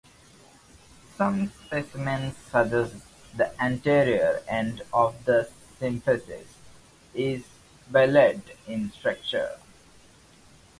Some specimens suggest the anterior end of the symphysis is bilobed in structure.